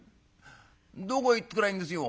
どこ行ってくりゃいいんですよ」。